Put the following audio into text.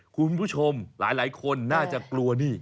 คุณผู้ชมหลายคนน่าจะกลัวนี่